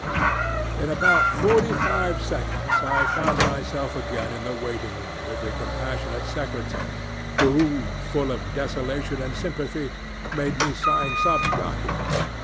"In about forty five seconds I found myself again in the waiting room with the compassionate secretary, who, full of desolation and sympathy, made me sign some document.